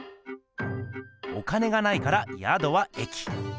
お金がないからやどは駅。